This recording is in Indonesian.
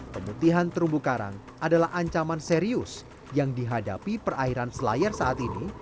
pemutihan terumbu karang adalah ancaman serius yang dihadapi perairan selayar saat ini